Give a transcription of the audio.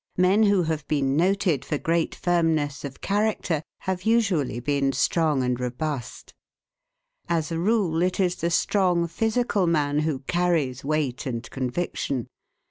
Men who have been noted for great firmness of character have usually been strong and robust. As a rule it is the strong physical man who carries weight and conviction.